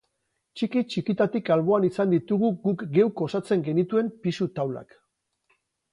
Txiki-txikitatik alboan izan ditugu guk geuk osatzen genituen pisu taulak.